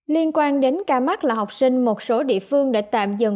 liên quan đến ca mắc là học sinh một số địa phương đã tạm dừng